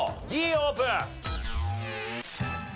Ｄオープン！